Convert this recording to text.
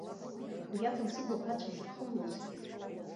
Уи акәын сыблақәа ацәа зырхымлоз.